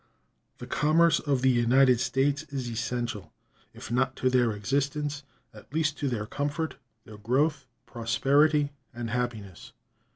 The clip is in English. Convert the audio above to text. The commerce of the United States is essential, if not to their existence, at least to their comfort, their growth, prosperity, and happiness.